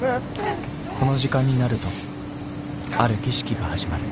この時間になるとある儀式が始まる。